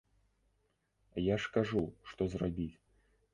Я ж кажу, што зрабіць!